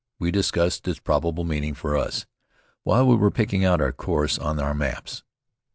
We discussed its probable meaning for us, while we were pricking out our course on our maps.